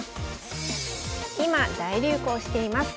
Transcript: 今大流行しています